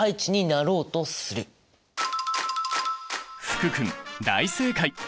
福君大正解！